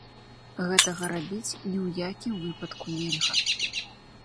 Гэтага рабіць ні ў якім выпадку нельга.